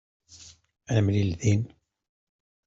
Ad nemlil din.